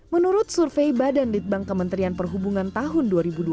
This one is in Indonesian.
menurut survei badan litbang kementerian perhubungan tahun dua ribu dua puluh